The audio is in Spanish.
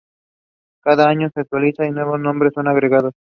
Cada año es actualizada y nuevos nombres son agregados.